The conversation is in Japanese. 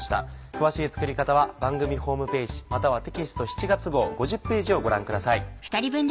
詳しい作り方は番組ホームページまたはテキスト７月号５０ページをご覧ください。